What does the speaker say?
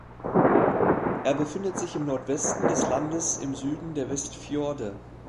Er befindet sich im Nordwesten des Landes im Süden der Westfjorde.